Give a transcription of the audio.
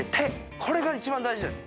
これが一番大事です。